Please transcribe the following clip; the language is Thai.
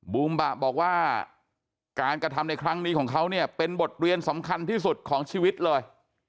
บูมบะบอกว่าการกระทำในครั้งนี้ของเขาเนี่ยเป็นบทเรียนสำคัญที่สุดของชีวิตเลย